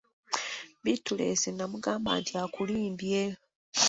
Bittulensi n'amugamba nti:"akulimbye"